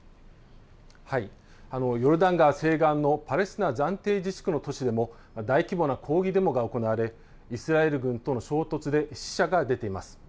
ヨルダン川西岸のパレスチナ暫定自治区の都市でも大規模な抗議デモが行われイスラエル軍との衝突で死者が出ています。